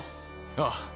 ああ。